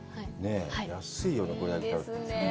安いよね？